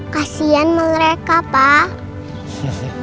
kasian mereka pak